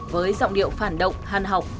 với giọng điệu phản động